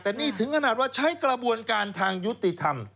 แต่นี่ถึงขนาดว่าใช้กระบวนการทางยุติธรรม